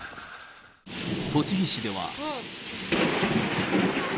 栃木市では。